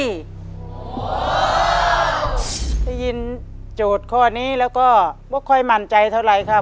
ได้ยินโจทย์ข้อนี้แล้วก็ไม่ค่อยมั่นใจเท่าไรครับ